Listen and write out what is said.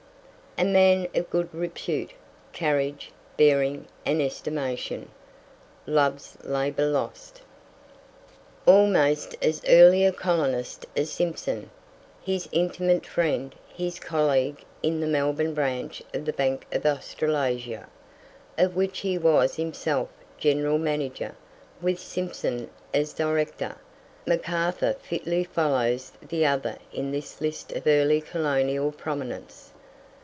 "A man of good repute, carriage, bearing, and estimation." Love's Labour Lost. Almost as early a colonist as Simpson, his intimate friend, his colleague in the Melbourne branch of the Bank of Australasia, of which he was himself general manager, with Simpson as director, McArthur fitly follows the other in this list of early colonial prominents.